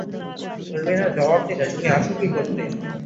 শর্মিলা জবাব দিলে, তুমি আছ কী করতে।